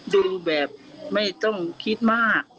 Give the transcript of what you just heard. ดูแบบไม่ต้องคิดมาก